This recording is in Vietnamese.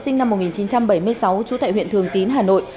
năm một nghìn chín trăm bảy mươi sáu chú tại huyện thường tín hà nội